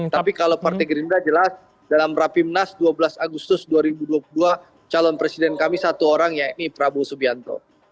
tapi kalau partai gerindra jelas dalam rapimnas dua belas agustus dua ribu dua puluh dua calon presiden kami satu orang yakni prabowo subianto